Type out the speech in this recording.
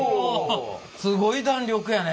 すごい弾力やね。